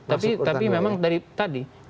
tapi memang dari tadi